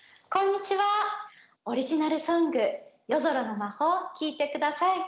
オリジナルソング「夜空の魔法」を聴いて下さい。